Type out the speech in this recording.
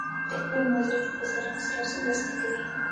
د کرنې وزارت له بزګرانو سره څه مرسته کوي؟